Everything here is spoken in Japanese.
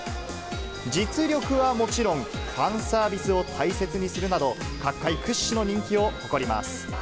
実力はもちろん、ファンサービスを大切にするなど、角界屈指の人気を誇ります。